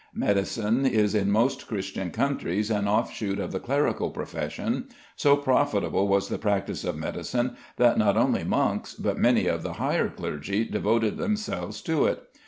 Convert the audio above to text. Medicine is in most Christian countries an offshoot of the clerical profession. So profitable was the practice of medicine, that not only monks, but many of the higher clergy, devoted themselves to it.